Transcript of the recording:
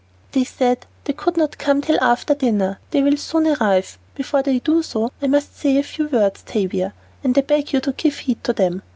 "They said they could not come till after dinner. They will soon arrive. Before they do so, I must say a few words, Tavia, and I beg you to give heed to them.